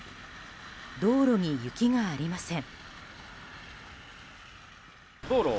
道路に雪がありません。